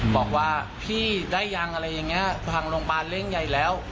บอกว่าพี่ได้ยังอะไรอย่างนี้ทางโรงพยาบาลเร่งใหญ่แล้ว